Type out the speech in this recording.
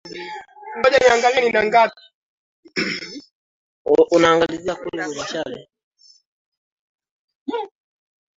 anakuwa hana uwezo wakula majani vizuri hasa majani ya juu kama waliyo twiga wakubwa